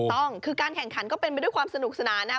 ถูกต้องคือการแข่งขันก็เป็นไปด้วยความสนุกสนานนะครับ